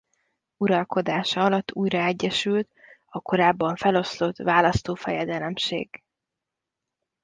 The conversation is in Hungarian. Uralkodása alatt újra egyesült a korábban felosztott választófejedelemség.